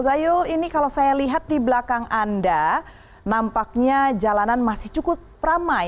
zayul ini kalau saya lihat di belakang anda nampaknya jalanan masih cukup ramai